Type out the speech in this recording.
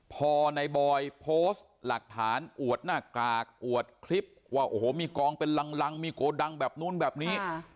พอในบอยโพสต์หลักฐานอวดหน้ากากอวดคลิปว่าโอ้โหมีกองเป็นลังมีโกดังแบบนู้นแบบนี้